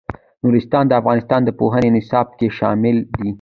نورستان د افغانستان د پوهنې نصاب کې شامل دي.